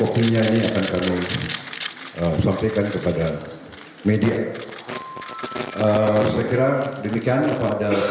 selamat malam pak